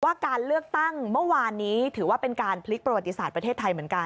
การเลือกตั้งเมื่อวานนี้ถือว่าเป็นการพลิกประวัติศาสตร์ประเทศไทยเหมือนกัน